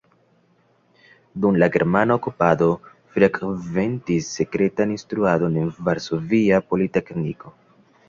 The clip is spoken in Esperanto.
Dum la germana okupado frekventis sekretan instruadon en Varsovia Politekniko.